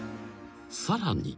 ［さらに］